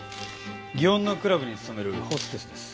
祇園のクラブに勤めるホステスです。